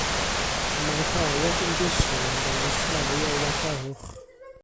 Y mae rhai o'r ymgeiswyr yn dangos llai o wladgarwch.